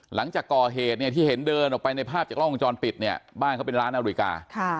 หลังจากก่อเหตุเนี่ยที่เห็นเดินออกไปในภาพจากล้องวงจรปิดเนี่ยบ้านเขาเป็นร้านอเมริกา